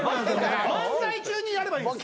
漫才中にやればいいんです。